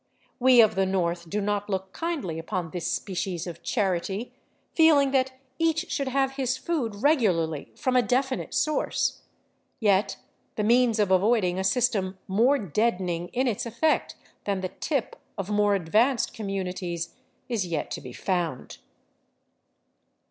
We of the north do not look kindly upon this species of charity, feeHng that each should have his food reg ularly from a definite source ; yet the means of avoiding a system more deadening in its effect than the " tip " of more advanced com munities is yet to be found.